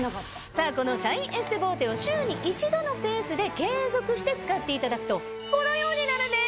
さぁこのシャインエステボーテを週に１度のペースで継続して使っていただくとこのようになるんです！